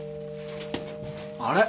あれ？